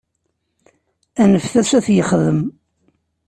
Anfet-as ad t-yexdem.